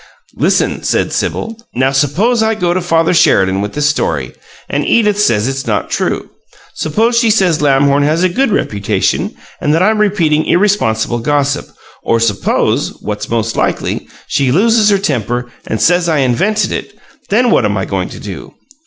"Listen," said Sibyl. "Now suppose I go to Father Sheridan with this story, and Edith says it's not true; suppose she says Lamhorn has a good reputation and that I'm repeating irresponsible gossip, or suppose (what's most likely) she loses her temper and says I invented it, then what am I going to do?